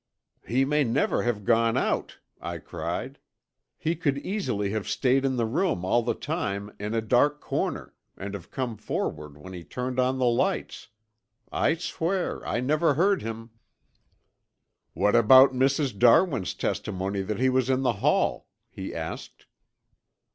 "He may never have gone out," I cried. "He could easily have stayed in the room all the time in a dark corner and have come forward when he turned on the lights. I swear I never heard him!" "What about Mrs. Darwin's testimony that he was in the hall?" he asked.